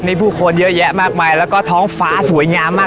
มีผู้คนเยอะแยะมากมายแล้วก็ท้องฟ้าสวยงามมาก